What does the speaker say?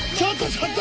ちょっと！